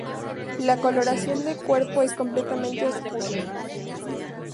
La coloración de cuerpo es completamente oscura.